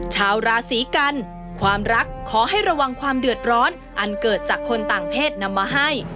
ชาวราศีกันความรักขอให้ระวังความเดือดร้อนอันเกิดจากคนต่างเพศนำมาให้